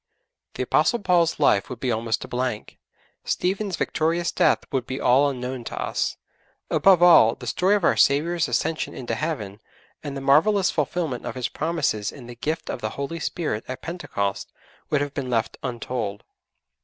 The Apostle Paul's life would be almost a blank. Stephen's victorious death would be all unknown to us. Above all, the story of our Saviour's ascension into Heaven, and the marvellous fulfilment of His promises in the gift of the Holy Spirit at Pentecost, would have been left untold.